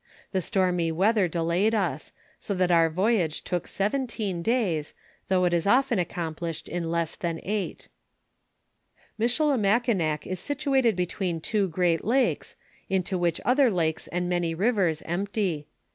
The stormy weather delayed us, so that our voyage took seventeen days, though it is often accom plished in less than eight "Michilimakinao is situated between two great lakes^ into which other lakes and many rivers empty.